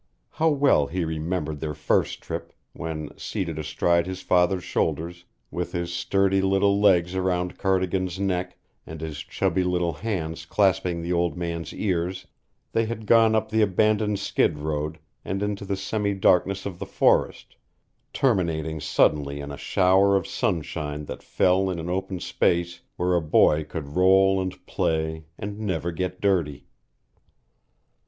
How well he remembered their first trip, when, seated astride his father's shoulders with his sturdy little legs around Cardigan's neck and his chubby little hands clasping the old man's ears, they had gone up the abandoned skid road and into the semi darkness of the forest, terminating suddenly in a shower of sunshine that fell in an open space where a boy could roll and play and never get dirty.